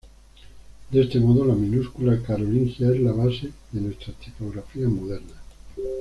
De este modo, la minúscula carolingia es la base de nuestras tipografías modernas.